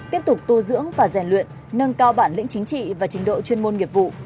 tiếp tục tu dưỡng và rèn luyện nâng cao bản lĩnh chính trị và trình độ chuyên môn nghiệp vụ